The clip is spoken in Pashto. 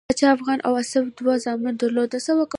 پاچا افغان او آصف دوه زامن درلودل.